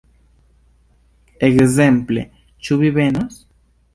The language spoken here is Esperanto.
Ekzemple "Ĉu vi venos?